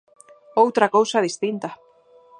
¡Outra cousa distinta!